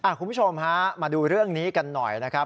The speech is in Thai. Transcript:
คุณผู้ชมฮะมาดูเรื่องนี้กันหน่อยนะครับ